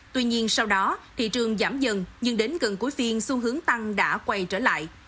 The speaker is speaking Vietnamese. tuy nhiên sau đó thị trường giảm dần nhưng đến gần cuối phiên xu hướng tăng đã quay trở lại